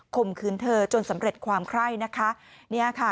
ข่มขึ้นเธอจนสำเร็จความไข้นะคะ